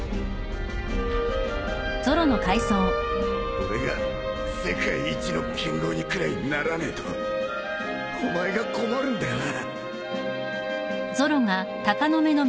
俺が世界一の剣豪にくらいならねえとお前が困るんだよな